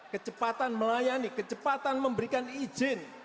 kecepatan melayani kecepatan memberikan izin